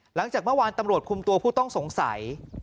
หลังจากเมื่อวานตำรวจคุมตัวผู้ต้องสงสัย